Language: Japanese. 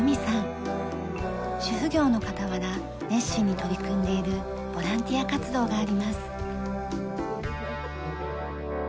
主婦業の傍ら熱心に取り組んでいるボランティア活動があります。